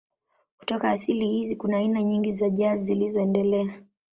Kutoka asili hizi kuna aina nyingi za jazz zilizoendelea.